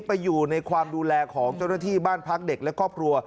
ไปอยู่ในความดูแลของเจ้าหน้าที่บ้านพักเด็กและครอบครัว